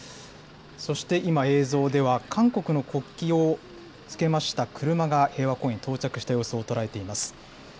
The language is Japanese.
そして今、映像では韓国の国旗をつけました車が平和公園に到着した様子を捉えています。